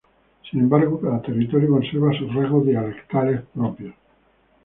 Sin embargo, cada territorio conservaba sus rasgos dialectales propios.